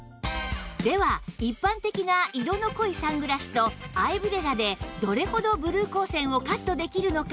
では一般的な色の濃いサングラスとアイブレラでどれほどブルー光線をカットできるのか？